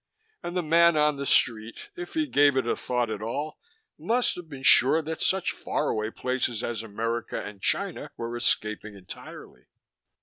And the man on the street, if he gave it a thought at all, must have been sure that such faraway places as America and China were escaping entirely.